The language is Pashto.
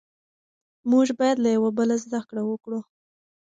موږ بايد له يوه بل زده کړه وکړو.